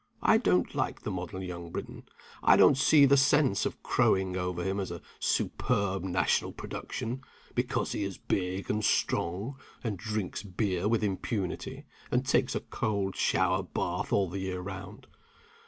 I don't like the model young Briton. I don't see the sense of crowing over him as a superb national production, because he is big and strong, and drinks beer with impunity, and takes a cold shower bath all the year round.